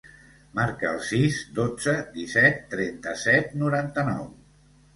Marca el sis, dotze, disset, trenta-set, noranta-nou.